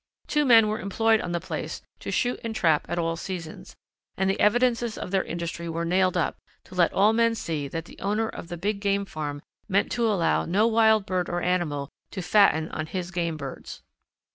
Two men were employed on the place to shoot and trap at all seasons, and the evidences of their industry were nailed up, to let all men see that the owner of the big game farm meant to allow no wild bird or animal to fatten on his game birds.